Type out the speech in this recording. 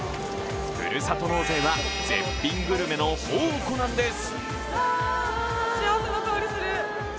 ふるさと納税は絶品グルメの宝庫なんです。